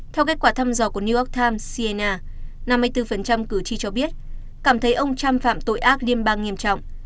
theo kết quả thăm dò của new york times cenna năm mươi bốn cử tri cho biết cảm thấy ông trump phạm tội ác liên bang nghiêm trọng